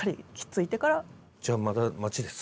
じゃあまだ待ちです。